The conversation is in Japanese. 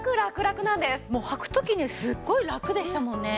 もうはく時ねすごいラクでしたもんね。